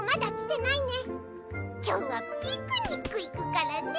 きょうはピクニックいくからね。